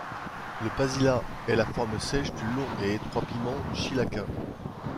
Le pasilla est la forme sèche du long et étroit piment chilaca.